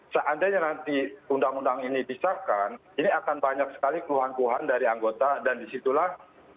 seandainya nanti undang undang ini disahkan ini akan banyak sekali keluhan keluhan dari anggota dan disitulah